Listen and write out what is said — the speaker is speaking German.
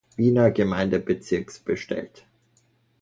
Wiener Gemeindebezirks bestellt.